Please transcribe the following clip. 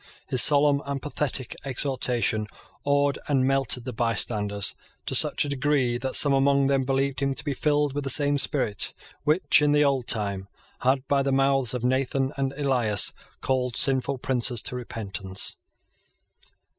His solemn and pathetic exhortation awed and melted the bystanders to such a degree that some among them believed him to be filled with the same spirit which, in the old time, had, by the mouths of Nathan and Elias, called sinful princes to repentance.